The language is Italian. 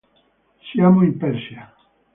Siamo in Persia.